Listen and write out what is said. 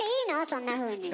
そんなふうに。